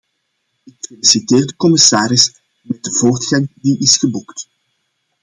Ik feliciteer de commissaris met de voortgang die is geboekt.